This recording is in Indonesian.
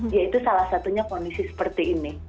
yaitu salah satunya kondisi seperti ini